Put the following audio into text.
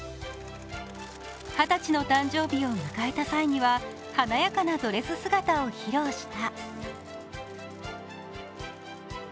二十歳の誕生日を迎えた際には、華やかなドレス姿を披露した。